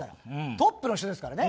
トップの人ですからね。